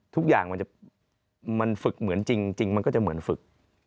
ทุกอย่างมันฝึกเหมือนจริงมันก็จะเหมือนฝึก